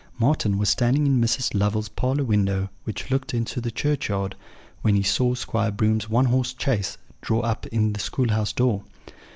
Marten was standing in Mrs. Lovel's parlour window, which looked into the churchyard, when he saw Squire Broom's one horse chaise draw up to the school house door.